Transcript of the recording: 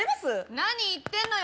何言ってんのよ